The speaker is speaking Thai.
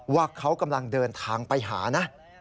ว่าเขากำลังเดินทางไปหานะ